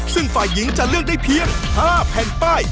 ซึ่งฝ่ายหญิงจะเลือกได้เพียง๕แผ่นป้าย